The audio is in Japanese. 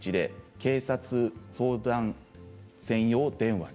警察相談専用電話に。